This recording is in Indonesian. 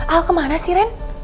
al kemana sih ren